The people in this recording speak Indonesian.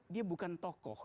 dia bukan tokoh